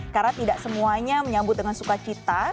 karena tidak semuanya menyambut dengan sukacita